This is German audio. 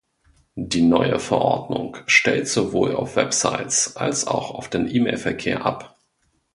Die neue Verordnung stellt sowohl auf Websites als auch auf den E-Mail-Verkehr ab.